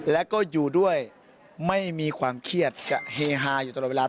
แล้วก็อยู่ด้วยไม่มีความเครียดจะเฮฮาอยู่ตลอดเวลา